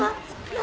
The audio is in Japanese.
何？